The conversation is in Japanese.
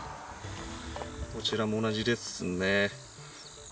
こちらも同じですね。